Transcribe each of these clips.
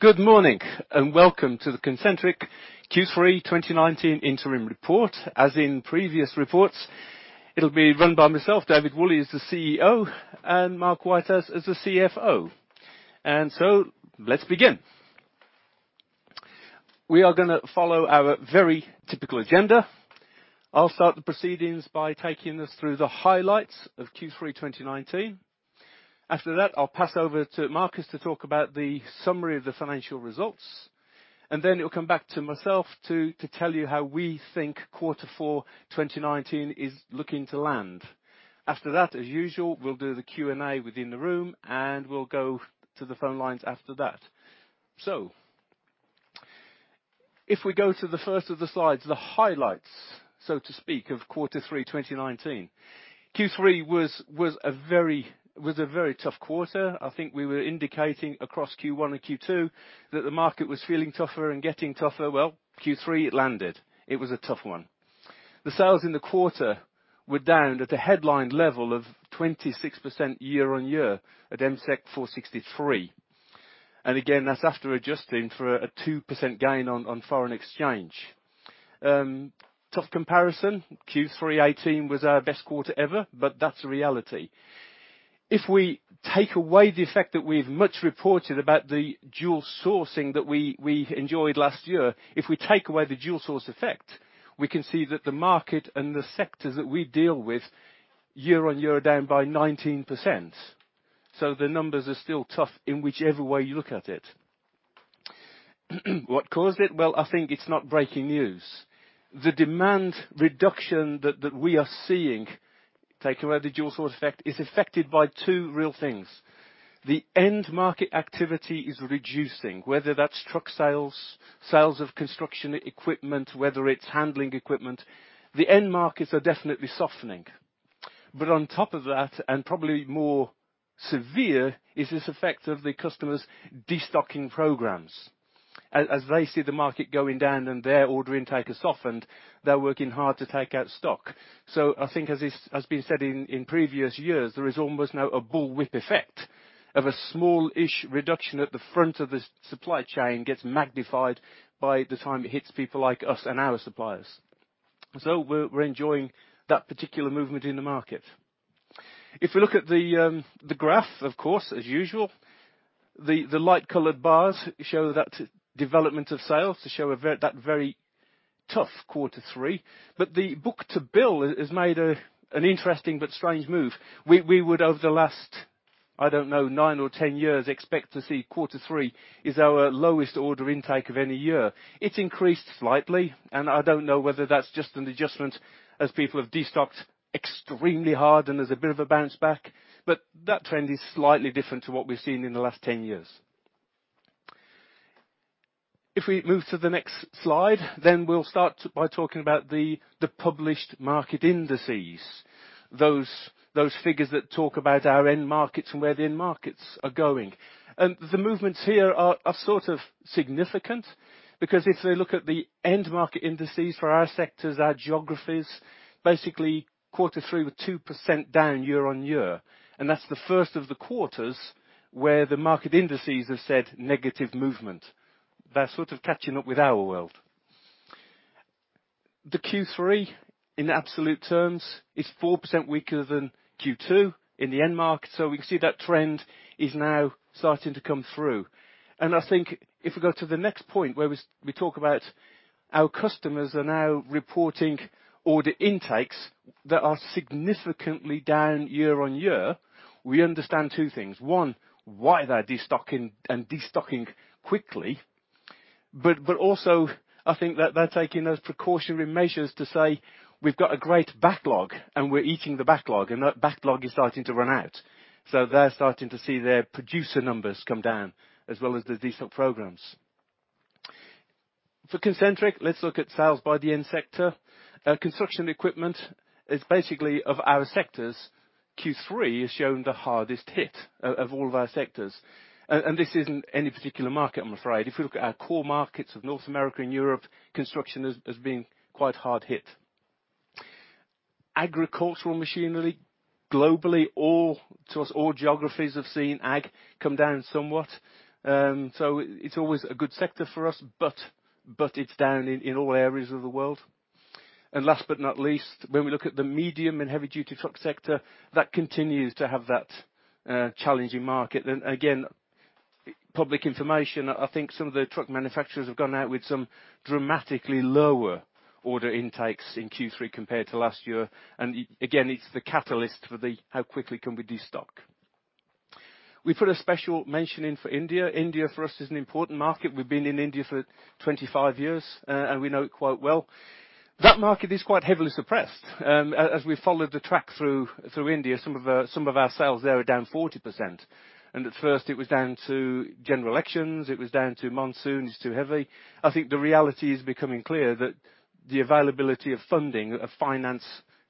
Good morning, and welcome to the Concentric Q3 2019 interim report. As in previous reports, it'll be run by myself, David Woolley as the CEO, and Marcus Whitehouse as the CFO. Let's begin. We are going to follow our very typical agenda. I'll start the proceedings by taking us through the highlights of Q3 2019. After that, I'll pass over to Marcus to talk about the summary of the financial results, and then it will come back to myself to tell you how we think quarter four 2019 is looking to land. After that, as usual, we'll do the Q&A within the room, and we'll go to the phone lines after that. If we go to the first of the slides, the highlights, so to speak, of quarter three 2019. Q3 was a very tough quarter. I think we were indicating across Q1 and Q2 that the market was feeling tougher and getting tougher. Q3, it landed. It was a tough one. The sales in the quarter were down at a headline level of 26% year on year at MSEK 463. Again, that's after adjusting for a 2% gain on foreign exchange. Tough comparison. Q3 2018 was our best quarter ever, but that's the reality. If we take away the fact that we've much reported about the dual sourcing that we enjoyed last year, if we take away the dual source effect, we can see that the market and the sectors that we deal with year on year are down by 19%. The numbers are still tough in whichever way you look at it. What caused it? I think it's not breaking news. The demand reduction that we are seeing, take away the dual source effect, is affected by two real things. The end market activity is reducing, whether that's truck sales of construction equipment, whether it's handling equipment, the end markets are definitely softening. On top of that, and probably more severe, is this effect of the customers' destocking programs. As they see the market going down and their order intake has softened, they're working hard to take out stock. I think as has been said in previous years, there is almost now a bullwhip effect of a small-ish reduction at the front of the supply chain gets magnified by the time it hits people like us and our suppliers. We're enjoying that particular movement in the market. If we look at the graph, of course, as usual, the light-colored bars show that development of sales to show that very tough quarter three. The book-to-bill has made an interesting but strange move. We would, over the last, I don't know, nine or 10 years, expect to see quarter three is our lowest order intake of any year. It's increased slightly, and I don't know whether that's just an adjustment as people have destocked extremely hard and there's a bit of a bounce back. That trend is slightly different to what we've seen in the last 10 years. If we move to the next slide, we'll start by talking about the published market indices, those figures that talk about our end markets and where the end markets are going. The movements here are significant because if we look at the end market indices for our sectors, our geographies, basically Q3 were 2% down year-on-year. That's the first of the quarters where the market indices have said negative movement. They're catching up with our world. The Q3, in absolute terms, is 4% weaker than Q2 in the end market. We can see that trend is now starting to come through. I think if we go to the next point where we talk about our customers are now reporting order intakes that are significantly down year-on-year, we understand two things. One, why they're destocking and destocking quickly. Also, I think that they're taking those precautionary measures to say, "We've got a great backlog and we're eating the backlog," and that backlog is starting to run out. They're starting to see their producer numbers come down as well as the destock programs. For Concentric, let's look at sales by the end sector. Construction equipment is basically of our sectors, Q3 has shown the hardest hit of all of our sectors. This isn't any particular market, I'm afraid. If we look at our core markets of North America and Europe, construction has been quite hard hit. Agricultural machinery, globally, to us all geographies have seen ag come down somewhat. It's always a good sector for us, but it's down in all areas of the world. Last but not least, when we look at the medium and heavy-duty truck sector, that continues to have that challenging market. Public information, I think some of the truck manufacturers have gone out with some dramatically lower order intakes in Q3 compared to last year. Again, it's the catalyst for how quickly can we destock. We put a special mention in for India. India for us is an important market. We've been in India for 25 years, and we know it quite well. That market is quite heavily suppressed. As we followed the track through India, some of our sales there are down 40%. At first, it was down to general elections, it was down to monsoons too heavy. I think the reality is becoming clear that the availability of funding, of finance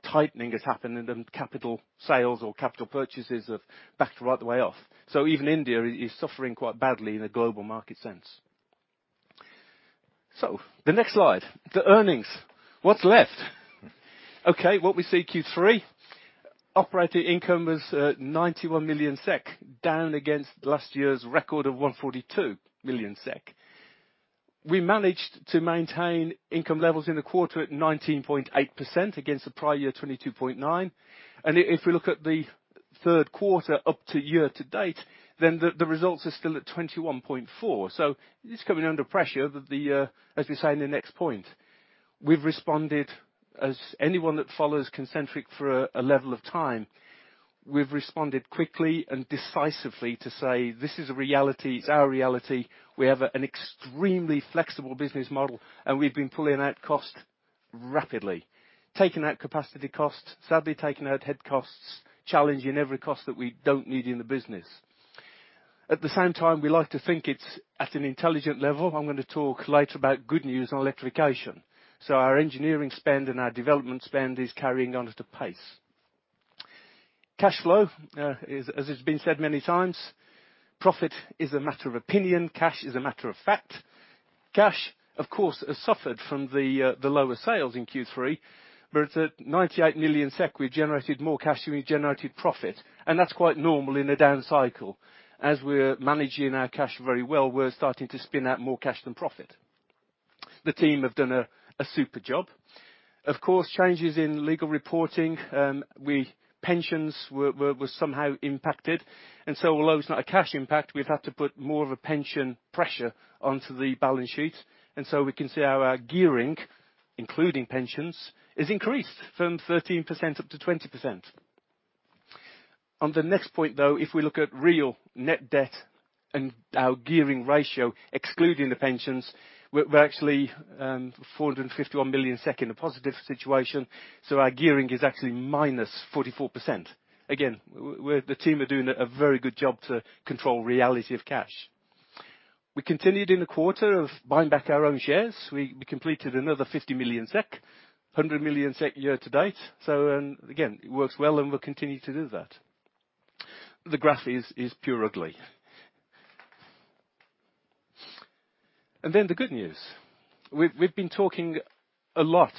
tightening has happened and capital sales or capital purchases have backed right the way off. Even India is suffering quite badly in a global market sense. The next slide, the earnings. What's left? Okay, what we see Q3, operating income was 91 million SEK, down against last year's record of 142 million SEK. We managed to maintain income levels in the quarter at 19.8% against the prior year, 22.9%. If we look at the third quarter up to year to date, the results are still at 21.4%. It's coming under pressure, as we say in the next point. We've responded, as anyone that follows Concentric for a level of time, we've responded quickly and decisively to say, this is a reality. It's our reality. We have an extremely flexible business model, we've been pulling out cost rapidly, taking out capacity costs, sadly taking out head costs, challenging every cost that we don't need in the business. At the same time, we like to think it's at an intelligent level. I'm going to talk later about good news on electrification. Our engineering spend and our development spend is carrying on at a pace. Cash flow, as it's been said many times, profit is a matter of opinion. Cash is a matter of fact. Cash, of course, has suffered from the lower sales in Q3, where it's at 98 million SEK. We generated more cash than we generated profit, that's quite normal in a down cycle. As we're managing our cash very well, we're starting to spin out more cash than profit. The team have done a super job. Of course, changes in legal reporting, pensions were somehow impacted. Although it's not a cash impact, we've had to put more of a pension pressure onto the balance sheet. We can see how our gearing, including pensions, is increased from 13% up to 20%. On the next point, though, if we look at real net debt and our gearing ratio, excluding the pensions, we're actually 451 million in a positive situation. Our gearing is actually minus 44%. Again, the team are doing a very good job to control reality of cash. We continued in the quarter of buying back our own shares. We completed another 50 million SEK, 100 million SEK year to date. Again, it works well, and we'll continue to do that. The graph is pure ugly. The good news. We've been talking a lot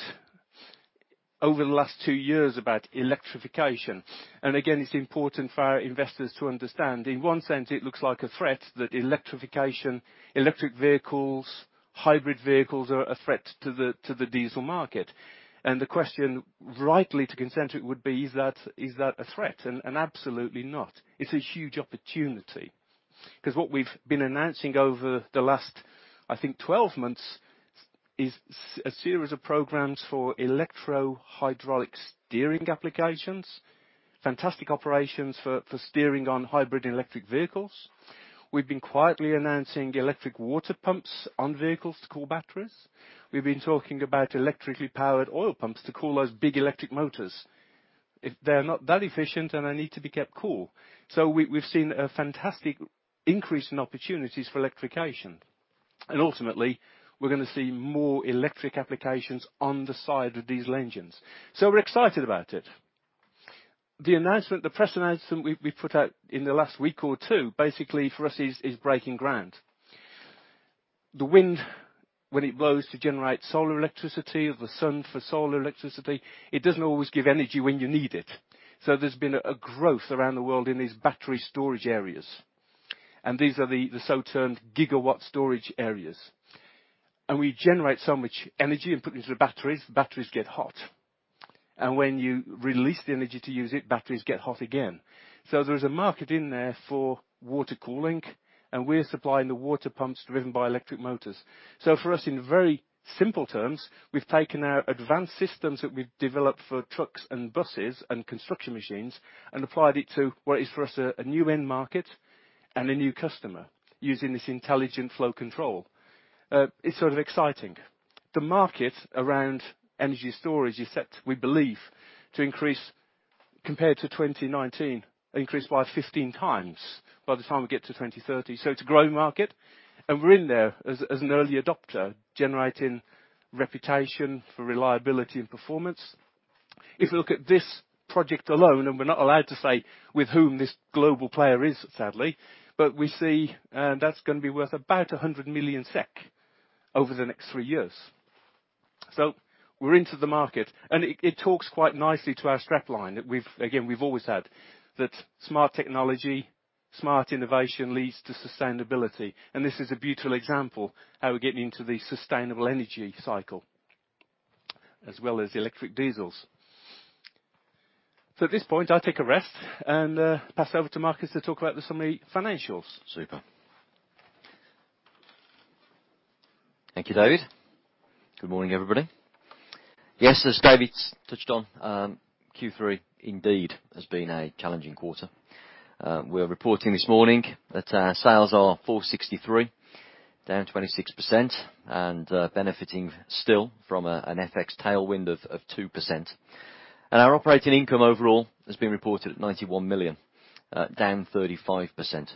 over the last two years about electrification. Again, it's important for our investors to understand, in one sense, it looks like a threat that electrification, electric vehicles, hybrid vehicles are a threat to the diesel market. The question, rightly, to Concentric would be, is that a threat? Absolutely not. It's a huge opportunity. What we've been announcing over the last, I think, 12 months is a series of programs for electro-hydraulic steering applications, fantastic operations for steering on hybrid and electric vehicles. We've been quietly announcing electric water pumps on vehicles to cool batteries. We've been talking about electrically powered oil pumps to cool those big electric motors. They're not that efficient, and they need to be kept cool. We've seen a fantastic increase in opportunities for electrification. Ultimately, we're going to see more electric applications on the side of diesel engines. We're excited about it. The press announcement we put out in the last week or two, basically for us, is breaking ground. The wind, when it blows to generate solar electricity or the sun for solar electricity, it doesn't always give energy when you need it. There's been a growth around the world in these battery storage areas, and these are the so-termed gigawatt storage areas. We generate so much energy and put it into the batteries, the batteries get hot. When you release the energy to use it, batteries get hot again. There is a market in there for water cooling, and we are supplying the water pumps driven by electric motors. For us, in very simple terms, we've taken our advanced systems that we've developed for trucks and buses and construction machines and applied it to what is, for us, a new end market and a new customer using this intelligent flow control. It's sort of exciting. The market around energy storage is set, we believe, to increase compared to 2019, increase by 15 times by the time we get to 2030. It's a growing market, and we're in there as an early adopter, generating reputation for reliability and performance. If you look at this project alone, and we're not allowed to say with whom this global player is, sadly, but we see that's going to be worth about 100 million SEK over the next three years. We're into the market, and it talks quite nicely to our strap line that, again, we've always had, that smart technology, smart innovation leads to sustainability. This is a beautiful example how we're getting into the sustainable energy cycle as well as electric diesels. At this point, I'll take a rest and pass over to Marcus to talk about some of the financials. Super. Thank you, David. Good morning, everybody. Yes, as David touched on, Q3 indeed has been a challenging quarter. We are reporting this morning that our sales are 463 million, down 26%, benefiting still from an FX tailwind of 2%. Our operating income overall has been reported at 91 million, down 35%.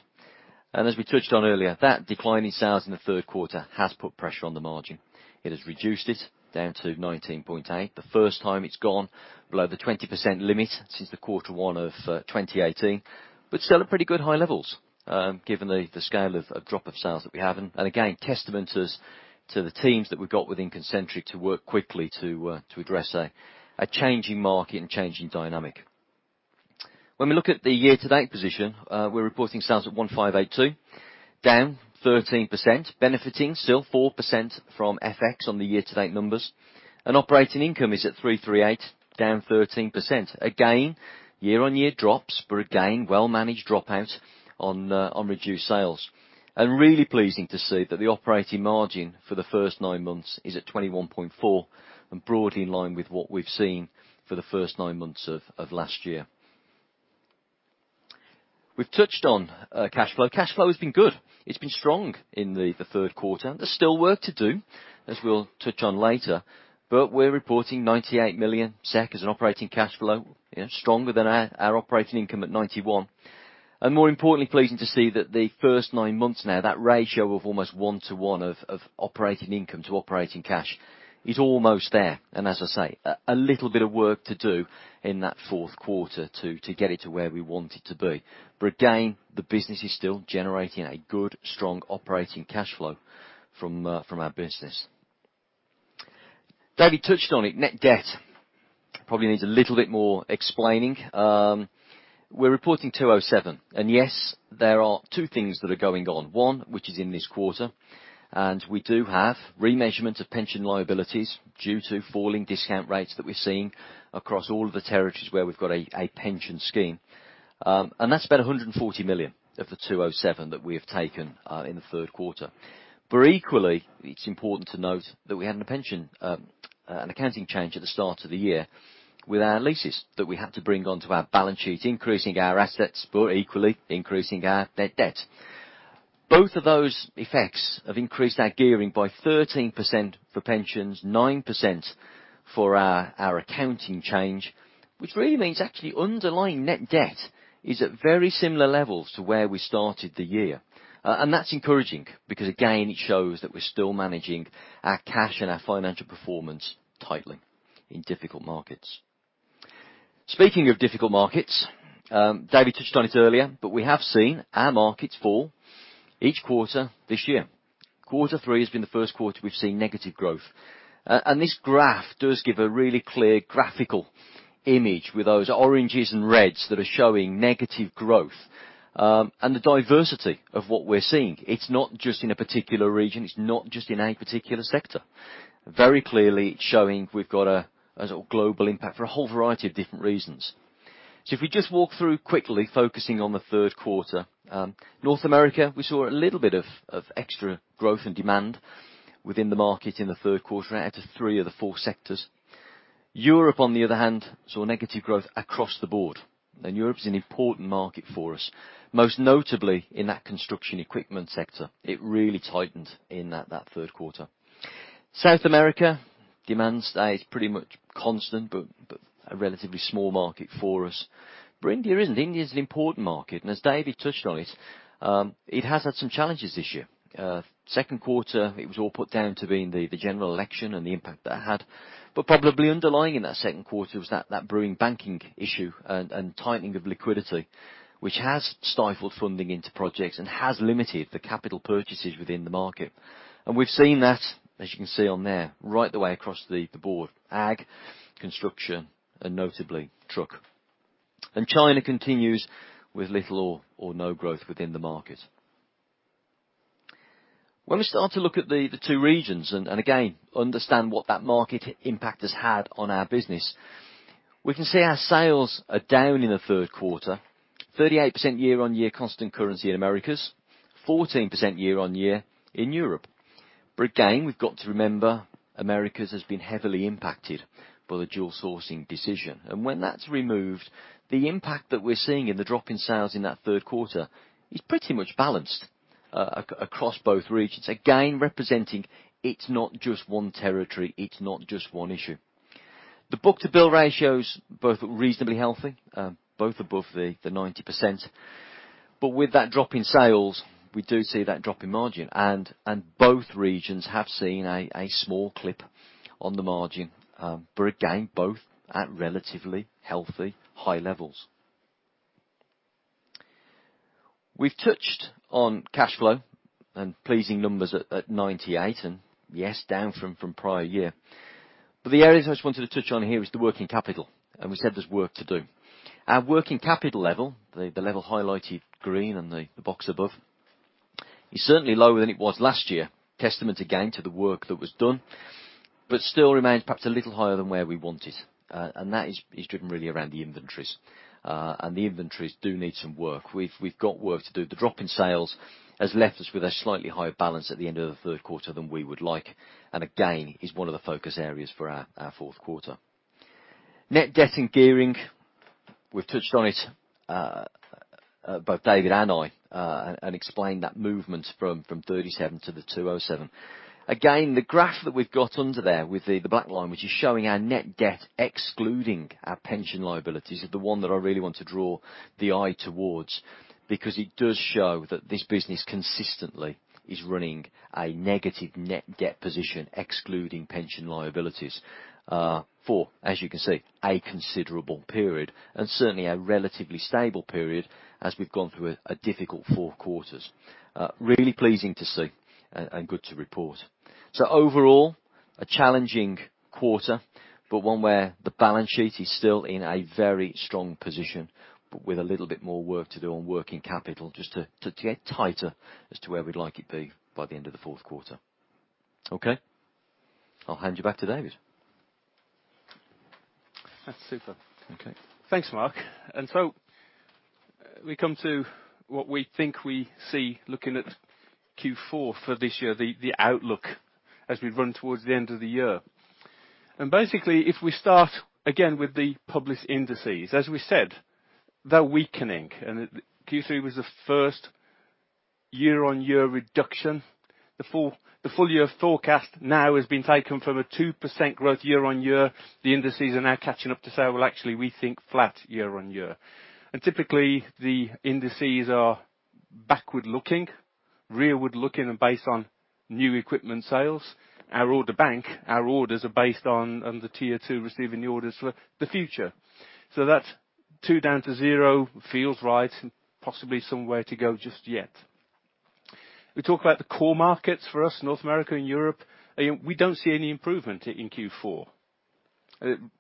As we touched on earlier, that decline in sales in the third quarter has put pressure on the margin. It has reduced it down to 19.8%. The first time it's gone below the 20% limit since the quarter one of 2018, still at pretty good high levels, given the scale of drop of sales that we have. Again, testament to the teams that we've got within Concentric to work quickly to address a changing market and changing dynamic. When we look at the year-to-date position, we're reporting sales at 1,582 million, down 13%, benefiting still 4% from FX on the year-to-date numbers. Operating income is at 338 million, down 13%. Year-on-year drops, well managed drop out on reduced sales. Really pleasing to see that the operating margin for the first nine months is at 21.4% and broadly in line with what we've seen for the first nine months of last year. We've touched on cash flow. Cash flow has been good. It's been strong in the third quarter. There's still work to do, as we'll touch on later, we're reporting 98 million SEK as an operating cash flow, stronger than our operating income at 91 million. More importantly, pleasing to see that the first nine months now, that ratio of almost one to one of operating income to operating cash is almost there. As I say, a little bit of work to do in that fourth quarter to get it to where we want it to be. Again, the business is still generating a good, strong operating cash flow from our business. David touched on it, net debt probably needs a little bit more explaining. We're reporting 207. Yes, there are two things that are going on. One, which is in this quarter, we do have remeasurement of pension liabilities due to falling discount rates that we're seeing across all of the territories where we've got a pension scheme. That's about 140 million of the 207 that we have taken in the third quarter. Equally, it's important to note that we had an accounting change at the start of the year with our leases that we had to bring onto our balance sheet, increasing our assets, but equally increasing our net debt. Both of those effects have increased our gearing by 13% for pensions, 9% for our accounting change, which really means actually underlying net debt is at very similar levels to where we started the year. That's encouraging because, again, it shows that we're still managing our cash and our financial performance tightly in difficult markets. Speaking of difficult markets, David touched on it earlier, but we have seen our markets fall each quarter this year. Quarter three has been the first quarter we've seen negative growth. This graph does give a really clear graphical image with those oranges and reds that are showing negative growth, and the diversity of what we're seeing. It's not just in a particular region, it's not just in a particular sector. Very clearly, it's showing we've got a sort of global impact for a whole variety of different reasons. If we just walk through quickly, focusing on the third quarter. North America, we saw a little bit of extra growth and demand within the market in the third quarter, out of three of the four sectors. Europe, on the other hand, saw negative growth across the board. Europe is an important market for us, most notably in that construction equipment sector. It really tightened in that third quarter. South America, demand stays pretty much constant, but a relatively small market for us. India isn't. India is an important market, and as David touched on it has had some challenges this year. Second quarter, it was all put down to being the general election and the impact that had. Probably underlying in that second quarter was that brewing banking issue and tightening of liquidity, which has stifled funding into projects and has limited the capital purchases within the market. We've seen that, as you can see on there, right the way across the board, ag, construction, and notably truck. China continues with little or no growth within the market. When we start to look at the two regions, again, understand what that market impact has had on our business, we can see our sales are down in the third quarter, 38% year-on-year constant currency in Americas, 14% year-on-year in Europe. Again, we've got to remember, Americas has been heavily impacted by the dual sourcing decision. When that's removed, the impact that we're seeing in the drop in sales in that third quarter is pretty much balanced across both regions, again, representing it's not just one territory, it's not just one issue. The book-to-bill ratio is both reasonably healthy, both above the 90%. With that drop in sales, we do see that drop in margin, and both regions have seen a small clip on the margin, but again, both at relatively healthy high levels. We've touched on cash flow and pleasing numbers at 98, and yes, down from prior year. The areas I just wanted to touch on here is the working capital, and we said there's work to do. Our working capital level, the level highlighted green and the box above, is certainly lower than it was last year. Testament again to the work that was done, but still remains perhaps a little higher than where we want it. That is driven really around the inventories. The inventories do need some work. The drop in sales has left us with a slightly higher balance at the end of the third quarter than we would like, and again, is one of the focus areas for our fourth quarter. Net debt and gearing, we've touched on it, both David and I, explained that movement from 37 to 207. Again, the graph that we've got under there with the black line, which is showing our net debt excluding our pension liabilities, is the one that I really want to draw the eye towards, because it does show that this business consistently is running a negative net debt position, excluding pension liabilities, for, as you can see, a considerable period. Certainly, a relatively stable period as we've gone through a difficult four quarters. Really pleasing to see, and good to report. Overall, a challenging quarter, but one where the balance sheet is still in a very strong position, but with a little bit more work to do on working capital just to get tighter as to where we'd like it be by the end of the fourth quarter. Okay. I'll hand you back to David. That's super. Okay. Thanks, Marc. We come to what we think we see looking at Q4 for this year, the outlook as we run towards the end of the year. Basically, if we start again with the published indices, as we said, they're weakening, Q3 was the first year-on-year reduction. The full year forecast now has been taken from a 2% growth year-on-year. The indices are now catching up to say, "Well, actually, we think flat year-on-year." Typically, the indices are backward-looking, rearward-looking and based on new equipment sales. Our order bank, our orders are based on the tier 2 receiving the orders for the future. That's two down to zero, feels right and possibly some way to go just yet. We talk about the core markets for us, North America and Europe. We don't see any improvement in Q4.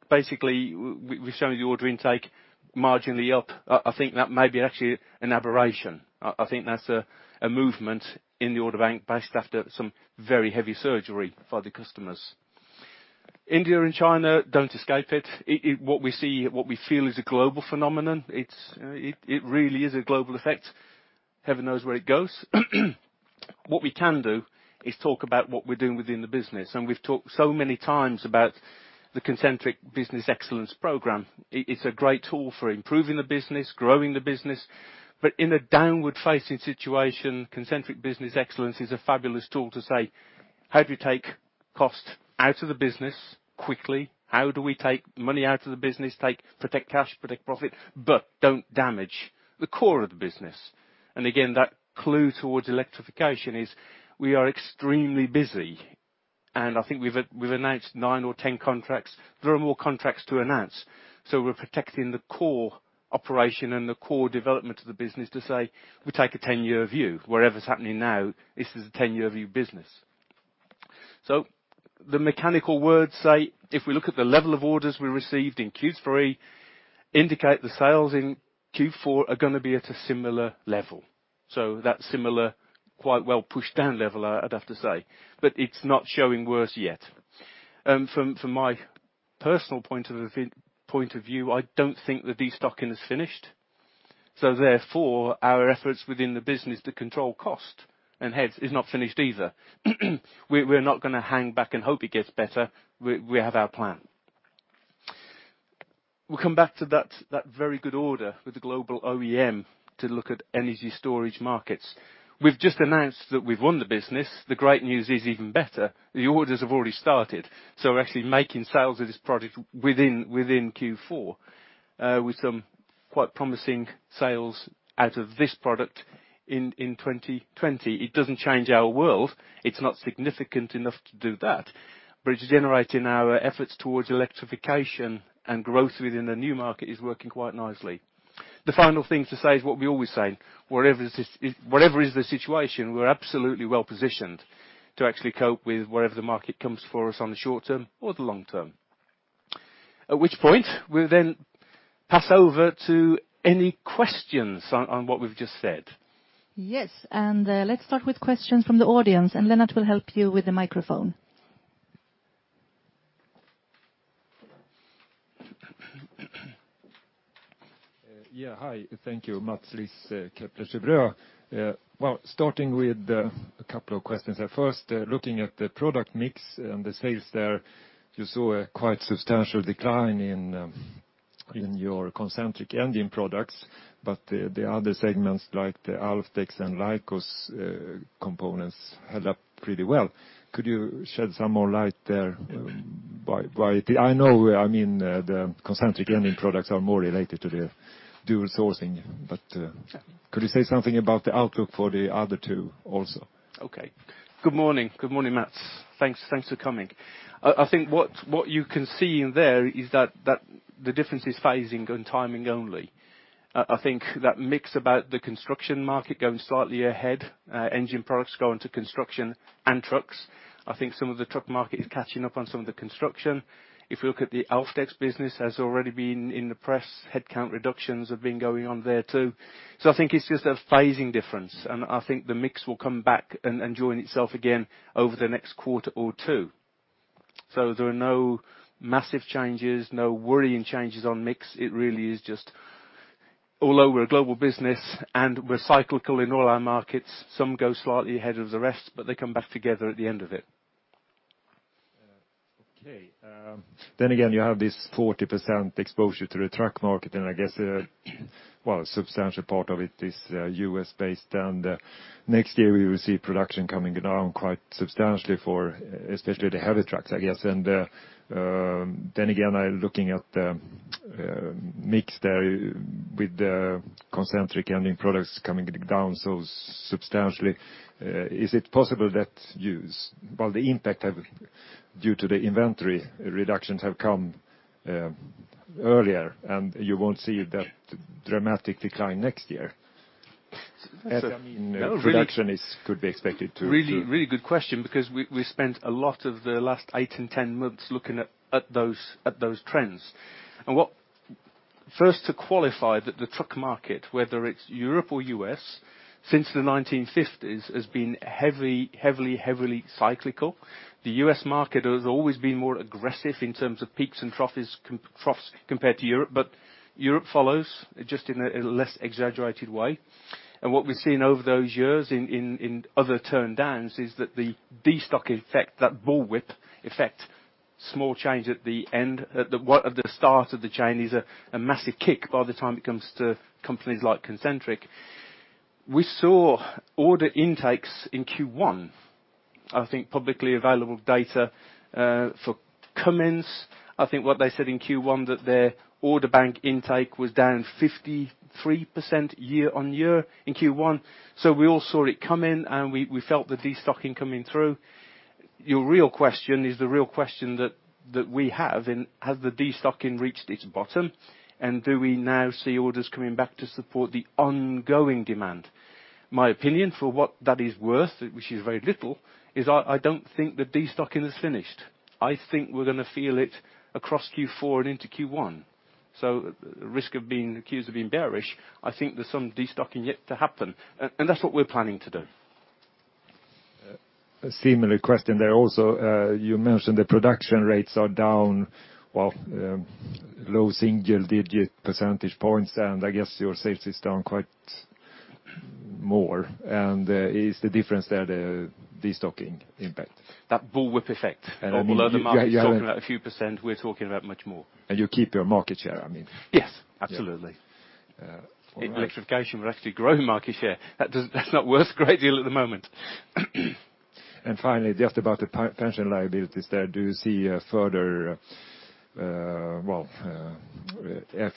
Basically, we're showing the order intake marginally up. I think that may be actually an aberration. I think that's a movement in the order bank based after some very heavy surgery for the customers. India and China don't escape it. What we feel is a global phenomenon. It really is a global effect. Heaven knows where it goes. What we can do is talk about what we're doing within the business, and we've talked so many times about the Concentric Business Excellence program. It is a great tool for improving the business, growing the business. In a downward-facing situation, Concentric Business Excellence is a fabulous tool to say, "How do we take cost out of the business quickly? How do we take money out of the business, protect cash, protect profit, but don't damage the core of the business? Again, that clue towards electrification is we are extremely busy, and I think we've announced nine or 10 contracts. There are more contracts to announce. We're protecting the core operation and the core development of the business to say we take a 10-year view. Whatever's happening now, this is a 10-year view business. The mechanical words say if we look at the level of orders we received in Q3, indicate the sales in Q4 are going to be at a similar level. That similar, quite well pushed down level, I'd have to say. It's not showing worse yet. From my personal point of view, I don't think the destocking is finished, so therefore, our efforts within the business to control cost and heads is not finished either. We're not going to hang back and hope it gets better. We have our plan. We'll come back to that very good order with the global OEM to look at energy storage markets. We've just announced that we've won the business. The great news is even better. The orders have already started, so we're actually making sales of this product within Q4, with some quite promising sales out of this product in 2020. It doesn't change our world. It's not significant enough to do that, but it's generating our efforts towards electrification, and growth within the new market is working quite nicely. The final thing to say is what we always say, whatever is the situation, we're absolutely well positioned to actually cope with whatever the market comes for us on the short term or the long term. At which point, we'll then pass over to any questions on what we've just said. Yes. Let's start with questions from the audience. Lennart will help you with the microphone. Yeah. Hi. Thank you. Mats Liss, Kepler Cheuvreux. Well, starting with a couple of questions there. First, looking at the product mix and the sales there, you saw a quite substantial decline in your concentric engine products. The other segments like the Alfdex and LICOS components held up pretty well. Could you shed some more light there? I know the concentric engine products are more related to the dual sourcing. Could you say something about the outlook for the other two also? Okay. Good morning. Good morning, Mats. Thanks for coming. I think what you can see in there is that the difference is phasing and timing only. I think that mix about the construction market going slightly ahead, engine products go into construction and trucks. I think some of the truck market is catching up on some of the construction. If you look at the Alfdex business has already been in the press. Headcount reductions have been going on there, too. I think it's just a phasing difference, and I think the mix will come back and join itself again over the next quarter or two. There are no massive changes, no worrying changes on mix. Although we're a global business and we're cyclical in all our markets, some go slightly ahead of the rest, but they come back together at the end of it. Okay. Again, you have this 40% exposure to the truck market, and I guess, a substantial part of it is U.S.-based. Next year we will see production coming down quite substantially for especially the heavy trucks, I guess. Again, looking at the mix there with the concentric engine products coming down so substantially, is it possible that the impact due to the inventory reductions have come earlier, and you won't see that dramatic decline next year? Production could be expected to. Really good question, because we spent a lot of the last eight and 10 months looking at those trends. First, to qualify that the truck market, whether it's Europe or U.S., since the 1950s, has been heavily cyclical. The U.S. market has always been more aggressive in terms of peaks and troughs compared to Europe, but Europe follows, just in a less exaggerated way. What we've seen over those years in other turndowns is that the destock effect, that bullwhip effect, small change at the start of the chain is a massive kick by the time it comes to companies like Concentric. We saw order intakes in Q1, I think publicly available data, for Cummins, I think what they said in Q1 that their order bank intake was down 53% year-on-year in Q1. We all saw it coming, and we felt the destocking coming through. Your real question is the real question that we have, has the destocking reached its bottom? Do we now see orders coming back to support the ongoing demand? My opinion, for what that is worth, which is very little, is I don't think the destocking is finished. I think we're going to feel it across Q4 and into Q1. At risk of being accused of being bearish, I think there's some destocking yet to happen. That's what we're planning to do. A similar question there also. You mentioned the production rates are down, low single-digit percentage points, and I guess your sales is down quite more. Is the difference there the destocking impact? That bullwhip effect. Although the market is talking about a few %, we're talking about much more. You keep your market share? Yes, absolutely. In electrification, we're actually growing market share. That's not worth a great deal at the moment. Finally, just about the pension liabilities there. Do you see further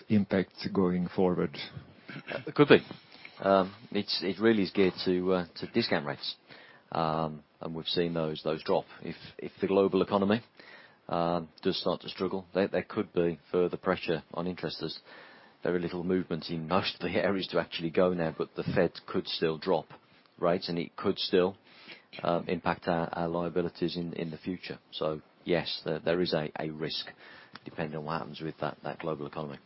impacts going forward? Could be. It really is geared to discount rates. We've seen those drop. If the global economy does start to struggle, there could be further pressure on interest as very little movement in most of the areas to actually go now, but the Fed could still drop rates, and it could still impact our liabilities in the future. Yes, there is a risk depending on what happens with that global economy.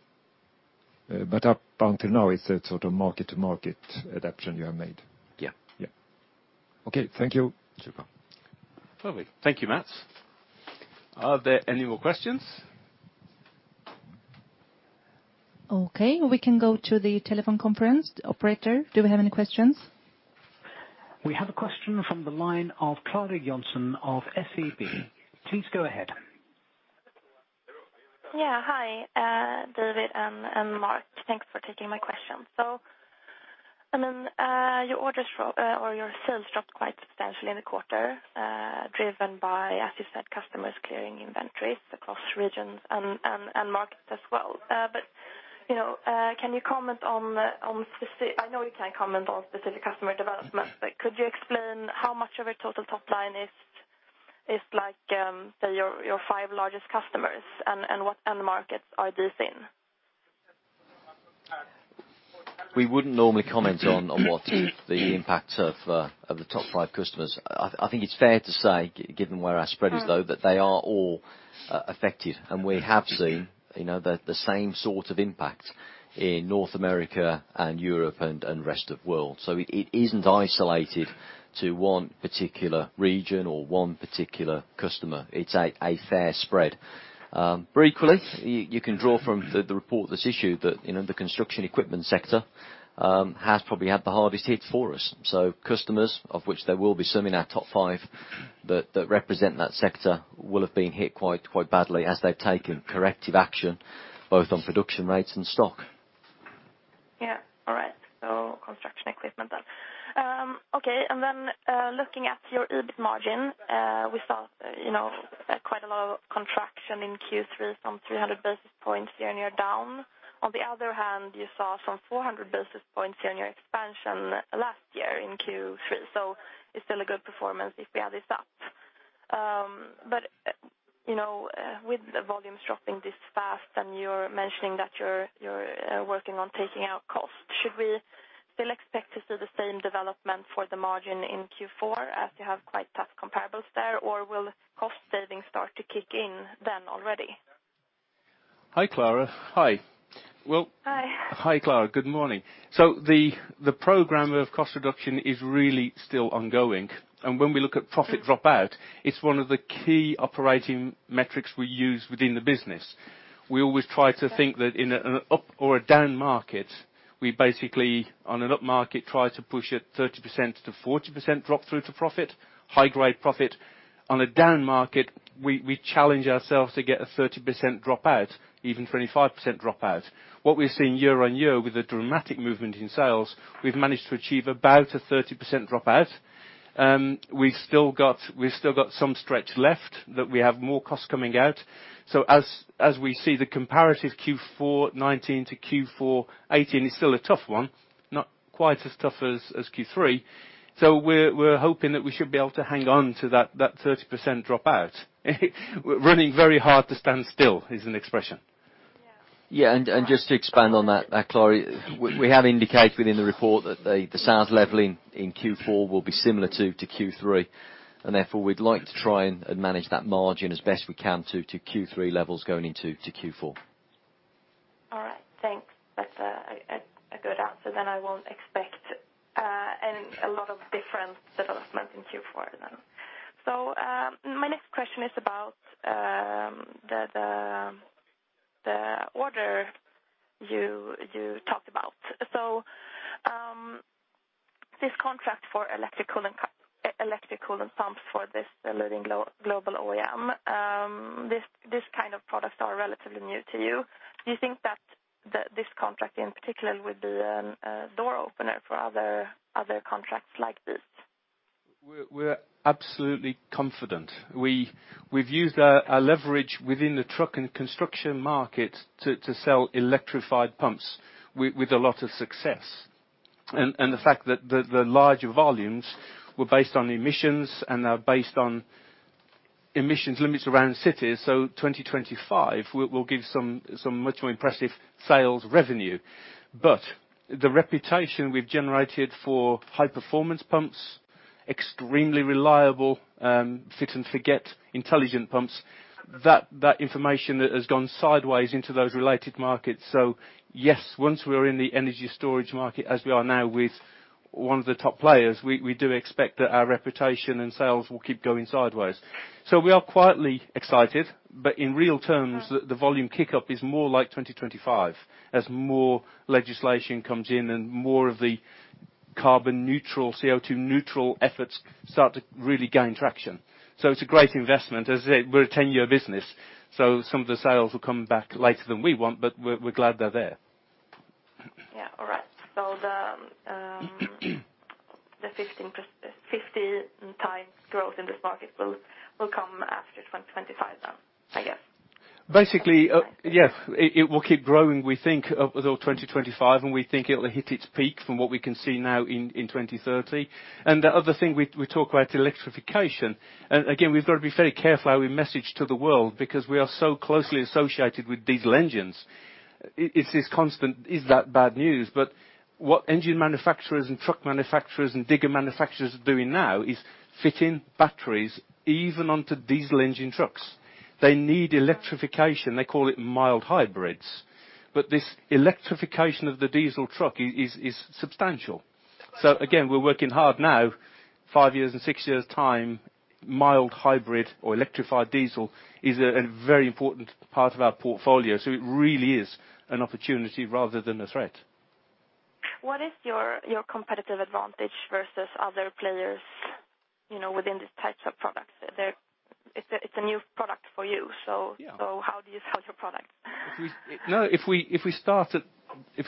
Up until now, it's a sort of market adaptation you have made? Yeah. Yeah. Okay. Thank you. Super. Lovely. Thank you, Mats. Are there any more questions? Okay. We can go to the telephone conference. Operator, do we have any questions? We have a question from the line of Clara Johnson of SEB. Please go ahead. Yeah. Hi, David and Mark. Thanks for taking my question. Your sales dropped quite substantially in the quarter, driven by, as you said, customers clearing inventories across regions and markets as well. I know you can't comment on specific customer developments, but could you explain how much of your total top line is your five largest customers, and what end markets are these in? We wouldn't normally comment on what the impact of the top five customers. I think it's fair to say, given where our spread is though, that they are all affected. We have seen the same sort of impact in North America and Europe and rest of world. It isn't isolated to one particular region or one particular customer. It's a fair spread. Equally, you can draw from the report that's issued that the construction equipment sector has probably had the hardest hit for us. Customers, of which there will be some in our top five that represent that sector, will have been hit quite badly as they've taken corrective action both on production rates and stock. Yeah. All right. Construction equipment. Looking at your EBIT margin, we saw quite a lot of contraction in Q3, 300 basis points year-on-year down. On the other hand, you saw 400 basis points year-on-year expansion last year in Q3. It's still a good performance if we add this up. With the volumes dropping this fast and you're mentioning that you're working on taking out cost, should we still expect to see the same development for the margin in Q4 as you have quite tough comparables there, or will cost savings start to kick in already? Hi, Clara. Hi. Hi. Hi, Clara. Good morning. The program of cost reduction is really still ongoing. When we look at profit drop out, it's one of the key operating metrics we use within the business. We always try to think that in an up or a down market, we basically, on an up market, try to push it 30%-40% drop-through to profit, high-grade profit. On a down market, we challenge ourselves to get a 30% drop out, even 25% drop out. What we're seeing year-over-year with the dramatic movement in sales, we've managed to achieve about a 30% drop out. We've still got some stretch left that we have more costs coming out. As we see the comparative Q4 2019 to Q4 2018, it's still a tough one. Not quite as tough as Q3. We're hoping that we should be able to hang on to that 30% drop-through. Running very hard to stand still is an expression. Yeah. Just to expand on that, Clara, we have indicated within the report that the sales leveling in Q4 will be similar to Q3, and therefore, we'd like to try and manage that margin as best we can to Q3 levels going into Q4. All right. Thanks. That's a good answer. I won't expect a lot of different development in Q4 then. My next question is about the order you talked about. This contract for electric coolant pumps for this leading global OEM, this kind of products are relatively new to you. Do you think that this contract in particular will be a door opener for other contracts like this? We're absolutely confident. We've used our leverage within the truck and construction market to sell electrified pumps with a lot of success. The fact that the larger volumes were based on emissions and are based on emissions limits around cities. 2025 will give some much more impressive sales revenue. The reputation we've generated for high performance pumps, extremely reliable, fit and forget, intelligent pumps, that information has gone sideways into those related markets. Yes, once we are in the energy storage market, as we are now with one of the top players, we do expect that our reputation and sales will keep going sideways. We are quietly excited. In real terms, the volume kick-up is more like 2025 as more legislation comes in and more of the carbon neutral, CO2 neutral efforts start to really gain traction. It's a great investment. As I said, we're a 10-year business, so some of the sales will come back later than we want, but we're glad they're there. Yeah. All right. The 50 times growth in this market will come after 2025 then, I guess? Basically, yes. It will keep growing, we think, up until 2025, and we think it'll hit its peak, from what we can see now, in 2030. The other thing, we talk about electrification. Again, we've got to be very careful how we message to the world because we are so closely associated with diesel engines. It's this constant, is that bad news? What engine manufacturers and truck manufacturers and digger manufacturers are doing now is fitting batteries even onto diesel engine trucks. They need electrification. They call it mild hybrids. This electrification of the diesel truck is substantial. Again, we're working hard now, five years and six years time, mild hybrid or electrified diesel is a very important part of our portfolio. It really is an opportunity rather than a threat. What is your competitive advantage versus other players within this type of products? It's a new product for you. Yeah. How's your product? If we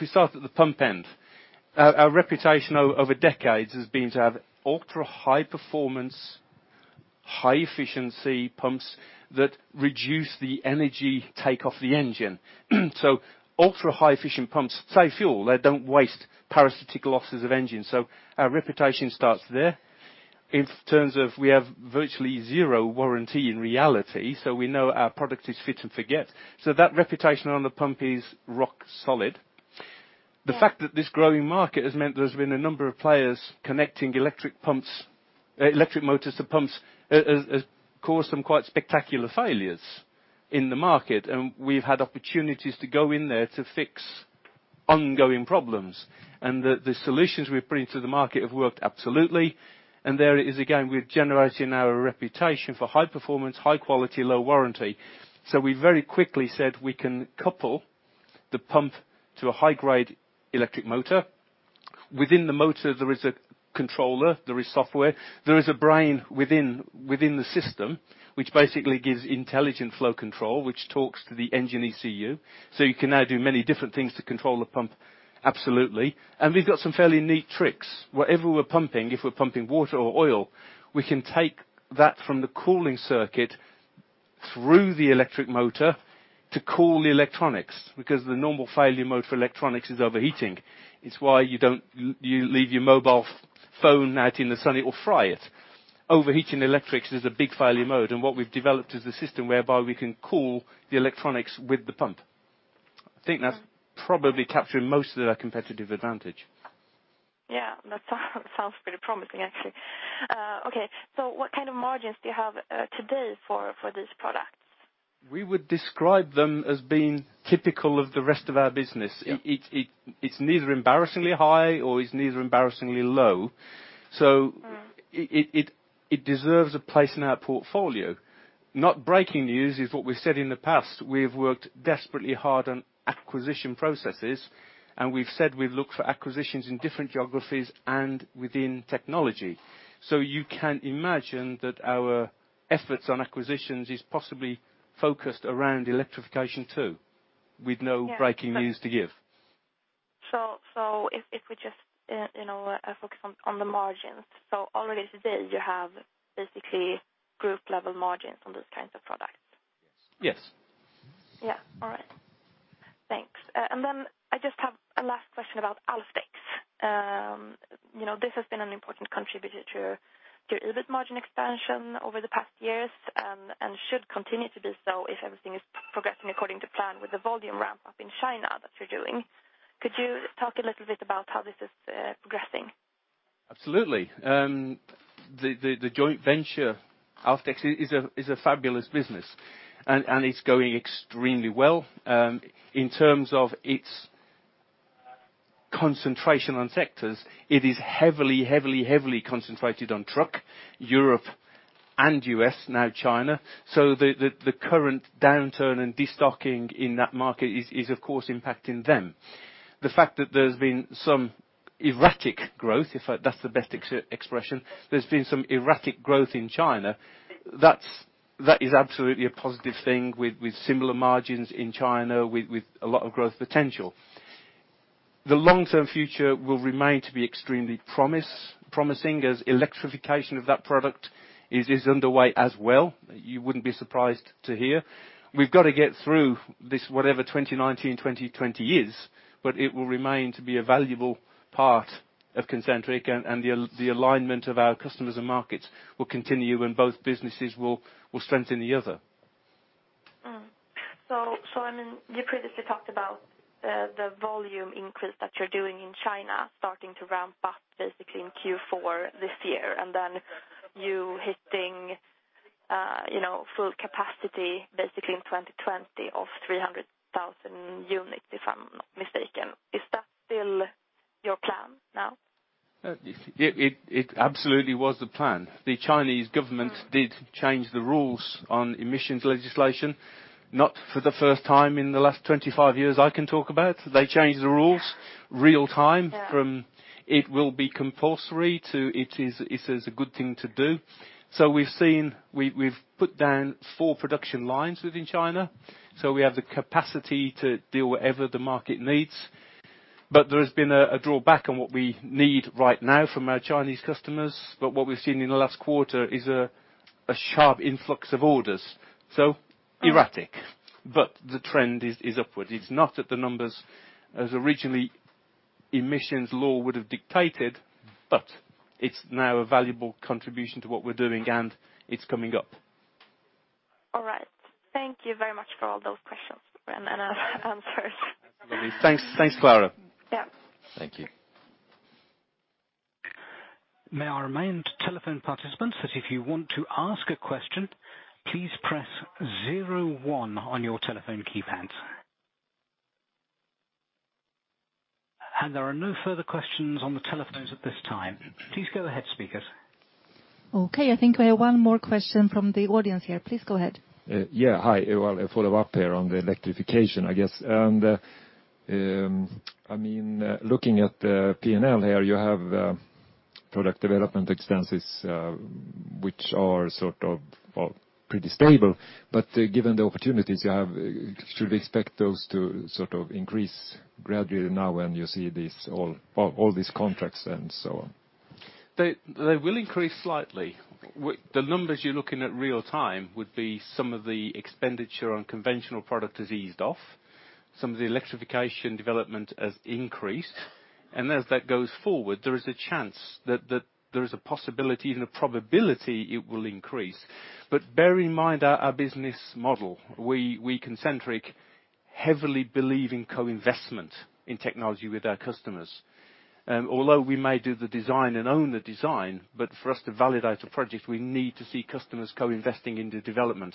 start at the pump end, our reputation over decades has been to have ultra-high performance, high efficiency pumps that reduce the energy take of the engine. Ultra high efficient pumps save fuel. They don't waste parasitic losses of engines. Our reputation starts there. In terms of we have virtually zero warranty in reality, so we know our product is fit and forget. That reputation on the pump is rock solid. Yeah. The fact that this growing market has meant there's been a number of players connecting electric motors to pumps has caused some quite spectacular failures in the market, and we've had opportunities to go in there to fix ongoing problems. The solutions we're putting to the market have worked absolutely, and there it is again, we're generating our reputation for high performance, high quality, low warranty. We very quickly said we can couple the pump to a high-grade electric motor. Within the motor, there is a controller, there is software. There is a brain within the system, which basically gives intelligent flow control, which talks to the engine ECU. You can now do many different things to control the pump absolutely. We've got some fairly neat tricks. Whatever we're pumping, if we're pumping water or oil, we can take that from the cooling circuit through the electric motor to cool the electronics, because the normal failure mode for electronics is overheating. It's why you don't leave your mobile phone out in the sun, it'll fry it. Overheating electrics is a big failure mode. What we've developed is a system whereby we can cool the electronics with the pump. I think that's probably capturing most of our competitive advantage. Yeah. That sounds pretty promising actually. Okay. What kind of margins do you have today for these products? We would describe them as being typical of the rest of our business. Yeah. It's neither embarrassingly high or embarrassingly low. It deserves a place in our portfolio. Not breaking news is what we've said in the past. We've worked desperately hard on acquisition processes, and we've said we'd look for acquisitions in different geographies and within technology. You can imagine that our efforts on acquisitions is possibly focused around electrification too, with no breaking news to give. If we just focus on the margins, so already today you have basically group level margins on those kinds of products? Yes. Yeah. All right. Thanks. I just have a last question about Alfdex. This has been an important contributor to EBIT margin expansion over the past years, and should continue to do so if everything is progressing according to plan with the volume ramp-up in China that you're doing. Could you talk a little bit about how this is progressing? Absolutely. The joint venture, Alfdex, is a fabulous business, and it's going extremely well. In terms of its concentration on sectors, it is heavily concentrated on truck, Europe and U.S., now China. The current downturn and destocking in that market is of course impacting them. The fact that there's been some erratic growth, if that's the best expression, there's been some erratic growth in China, that is absolutely a positive thing with similar margins in China, with a lot of growth potential. The long-term future will remain to be extremely promising, as electrification of that product is underway as well, you wouldn't be surprised to hear. We've got to get through this, whatever 2019, 2020 is, but it will remain to be a valuable part of Concentric, and the alignment of our customers and markets will continue, and both businesses will strengthen the other. You previously talked about the volume increase that you're doing in China starting to ramp up basically in Q4 this year, and then you hitting full capacity basically in 2020 of 300,000 units, if I'm not mistaken. Is that still your plan now? It absolutely was the plan. The Chinese government did change the rules on emissions legislation, not for the first time in the last 25 years I can talk about. They changed the rules real time from it will be compulsory to it is a good thing to do. We've put down four production lines within China, so we have the capacity to deal whatever the market needs. There has been a drawback on what we need right now from our Chinese customers. What we've seen in the last quarter is a sharp influx of orders. Erratic. The trend is upwards. It's not at the numbers as originally emissions law would have dictated, but it's now a valuable contribution to what we're doing, and it's coming up. All right. Thank you very much for all those questions and answers. Absolutely. Thanks, Clara. Yeah. Thank you. May I remind telephone participants that if you want to ask a question, please press zero one on your telephone key pad. There are no further questions on the telephones at this time. Please go ahead, speakers. Okay, I think we have one more question from the audience here. Please go ahead. Yeah. Hi. Well, a follow-up here on the electrification, I guess. Looking at the P&L here, you have product development expenses, which are sort of pretty stable. Given the opportunities you have, should we expect those to increase gradually now when you see all these contracts and so on? They will increase slightly. The numbers you're looking at real time would be some of the expenditure on conventional product has eased off. Some of the electrification development has increased. As that goes forward, there is a chance that there is a possibility and a probability it will increase. Bear in mind our business model. We, Concentric, heavily believe in co-investment in technology with our customers. Although we may do the design and own the design, but for us to validate a project, we need to see customers co-investing in the development.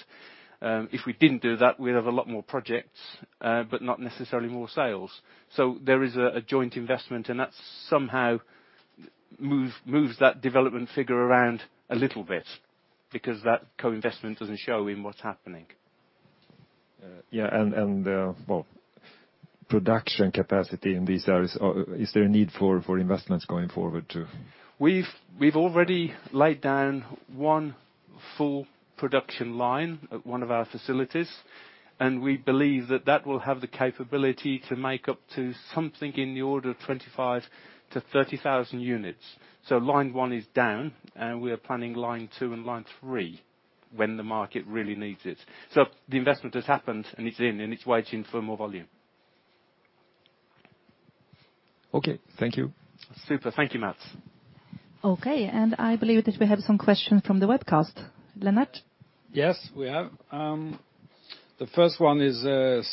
If we didn't do that, we'd have a lot more projects, but not necessarily more sales. There is a joint investment, and that somehow moves that development figure around a little bit, because that co-investment doesn't show in what's happening. Yeah, well, production capacity in these areas, is there a need for investments going forward too? We've already laid down one full production line at one of our facilities, and we believe that that will have the capability to make up to something in the order of 25 to 30,000 units. Line 1 is down, and we are planning line 2 and line 3 when the market really needs it. The investment has happened and it's in, and it's waiting for more volume. Okay. Thank you. Super. Thank you, Mats. Okay, I believe that we have some questions from the webcast. Lennart? Yes, we have. The first one is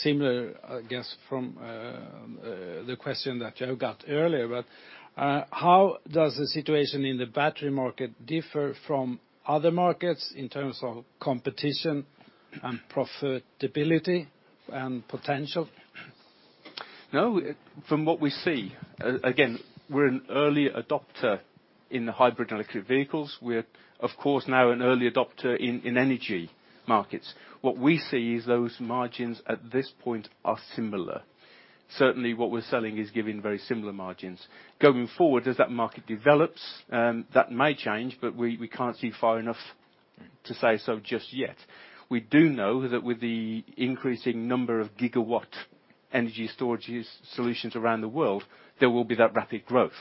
similar, I guess, from the question that you got earlier, how does the situation in the battery market differ from other markets in terms of competition and profitability and potential? No, from what we see, again, we're an early adopter in the hybrid electric vehicles. We're, of course, now an early adopter in energy markets. What we see is those margins at this point are similar. Certainly, what we're selling is giving very similar margins. Going forward, as that market develops, that may change, but we can't see far enough to say so just yet. We do know that with the increasing number of gigawatt energy storage solutions around the world, there will be that rapid growth.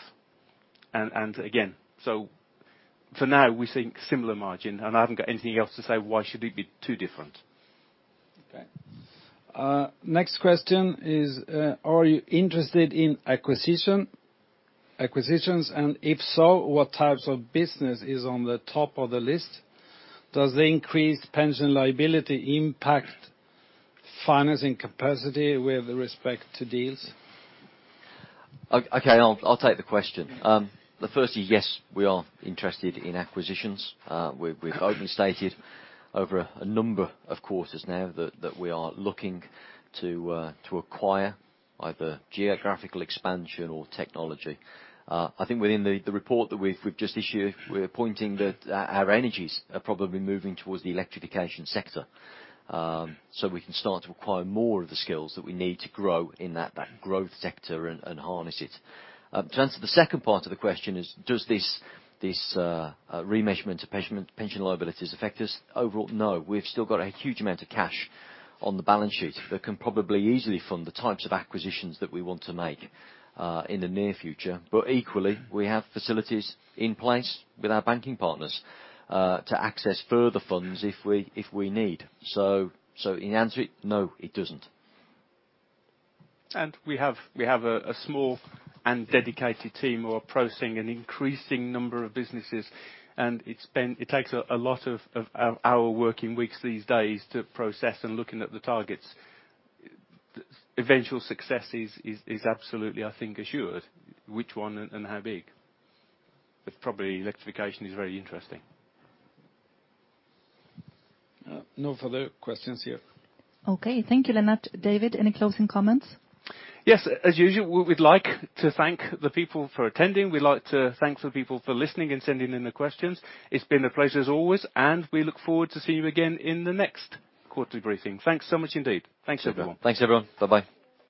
For now, we're seeing similar margin, and I haven't got anything else to say why should it be too different. Okay. Next question is, are you interested in acquisitions? If so, what types of business is on the top of the list? Does the increased pension liability impact financing capacity with respect to deals? Okay. I'll take the question. The first is, yes, we are interested in acquisitions. We've openly stated over a number of quarters now that we are looking to acquire either geographical expansion or technology. I think within the report that we've just issued, we're pointing that our energies are probably moving towards the electrification sector. We can start to acquire more of the skills that we need to grow in that growth sector and harness it. To answer the second part of the question is, does this remeasurement of pension liabilities affect us overall? No, we've still got a huge amount of cash on the balance sheet that can probably easily fund the types of acquisitions that we want to make in the near future. Equally, we have facilities in place with our banking partners to access further funds if we need. In answer, no, it doesn't. We have a small and dedicated team who are approaching an increasing number of businesses, and it takes a lot of our working weeks these days to process and looking at the targets. Eventual success is absolutely, I think, assured. Which one and how big? Probably electrification is very interesting. No further questions here. Okay. Thank you, Lennart. David, any closing comments? Yes. As usual, we'd like to thank the people for attending. We'd like to thank the people for listening and sending in the questions. It's been a pleasure as always. We look forward to seeing you again in the next quarterly briefing. Thanks so much indeed. Thanks, everyone. Thanks, everyone. Bye-bye.